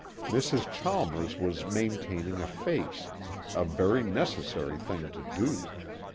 Mrs. Chalmers was maintaining a Face; a very necessary thing to do.